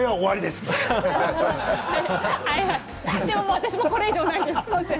私これ以上もうないです。